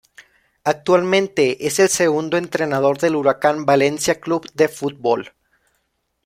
Actualmente es el segundo entrenador del Huracán Valencia Club de Fútbol.